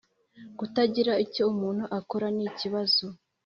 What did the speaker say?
kutagira icyo umuntu akora. nikibazo